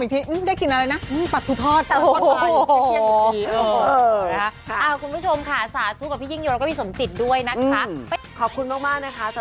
หรือได้กลิ่นไปแผนเคราะห์ก็ได้กลิ่นก่อนนะ